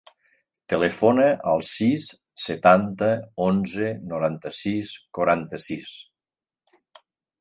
Telefona al sis, setanta, onze, noranta-sis, quaranta-sis.